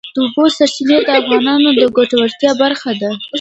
د اوبو سرچینې د افغانانو د ګټورتیا برخه ده.